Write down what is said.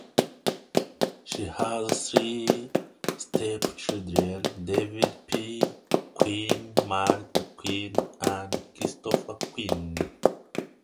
She has three stepchildren, David P. Quinn, Martha Quinn, and Christopher Quinn.